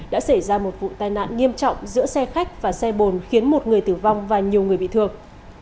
đã xảy ra một vụ tai nạn nghiêm trọng giữa xe khách và xe bồn khiến một người tử vong và nhiều người bị thương